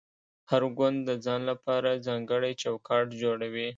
هر ګوند د ځان لپاره ځانګړی چوکاټ جوړوي